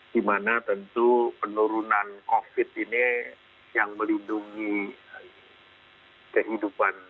dimana tentu penurunan covid ini yang melindungi kehidupan